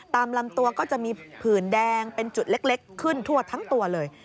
ตามลำตัวก็จะมีผื่นแดงเป็นจุดเล็กขึ้นทั่วทั้งตัวเลย